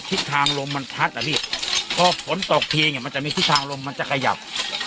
ทิศทางลมมันพัดอ่ะพี่พอฝนตกทีเนี้ยมันจะมีทิศทางลมมันจะขยับ